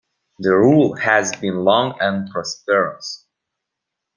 The rule has been long and prosperous.